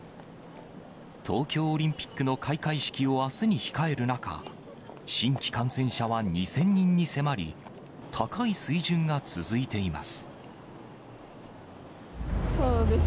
東京オリンピックの開会式をあすに控える中、新規感染者は２０００人に迫り、高い水準が続いています。